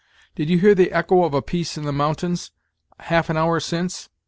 Did you hear the echo of a piece in the mountains, half an hour since?"